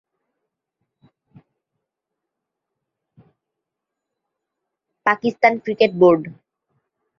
Pakistan cricket board.